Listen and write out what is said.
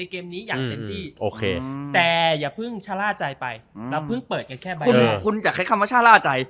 คุณจะแค่คำว่าชาร่าใจ